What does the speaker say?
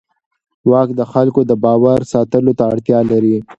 واک د خلکو د باور ساتلو ته اړتیا لري.